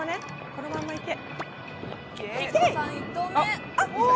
このままいけ。